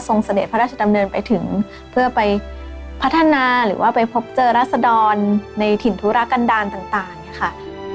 เสด็จพระราชดำเนินไปถึงเพื่อไปพัฒนาหรือว่าไปพบเจอรัศดรในถิ่นธุรกันดาลต่างเนี่ยค่ะ